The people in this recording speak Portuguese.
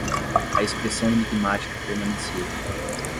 A expressão enigmática permanecia.